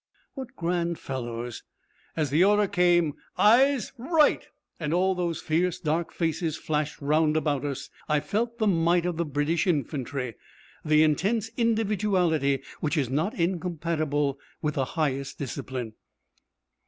What grand fellows! As the order came 'Eyes right,' and all those fierce, dark faces flashed round about us, I felt the might of the British infantry, the intense individuality which is not incompatible with the highest discipline.